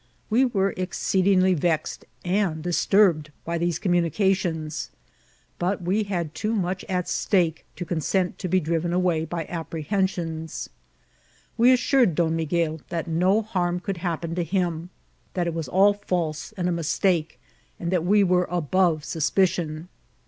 We were exceedingly vexed and disturbed by these communications, but we had too much at stake to con« sent to be driven away l>y apprehensions. We assured Don Miguel that no harm could happen to him ; that it was all false and a mistake, and that we were above suspicion.